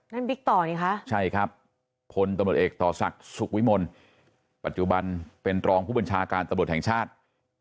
บิ๊กต่อนี่คะใช่ครับพลตำรวจเอกต่อศักดิ์สุขวิมลปัจจุบันเป็นรองผู้บัญชาการตำรวจแห่งชาติ